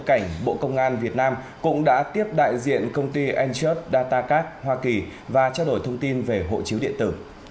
cảnh bộ công an việt nam cũng đã tiếp đại diện công ty encherd datac hoa kỳ và trao đổi thông tin về hộ chiếu điện tử